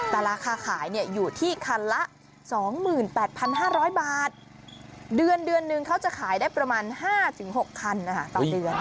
แต่ราคาขายอยู่ที่คันละ๒๘๕๐๐บาทเดือนเดือนนึงเขาจะขายได้ประมาณ๕๖คันต่อเดือน